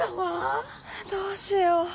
どうしよう。